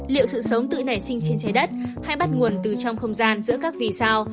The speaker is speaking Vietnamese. liệu sự sống tự nảy sinh trên trái đất hay bắt nguồn từ trong không gian giữa các vì sao